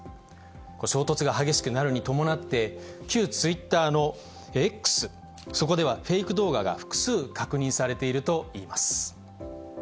衝突が激しくなるに伴って、旧ツイッターのＸ、そこではフェイク動画が複数確認されているといいます。